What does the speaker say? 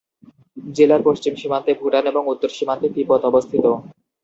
জেলার পশ্চিম সীমান্তে ভুটান এবং উত্তর সীমান্তে তিব্বত অবস্থিত।